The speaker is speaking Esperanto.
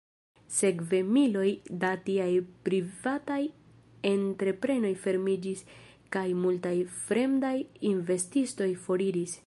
Sekve miloj da tiaj privataj entreprenoj fermiĝis kaj multaj fremdaj investistoj foriris.